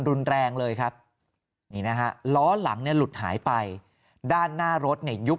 รุนแรงเลยครับนี่นะฮะล้อหลังเนี่ยหลุดหายไปด้านหน้ารถเนี่ยยุบ